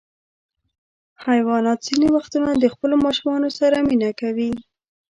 حیوانات ځینې وختونه د خپلو ماشومانو سره مینه کوي.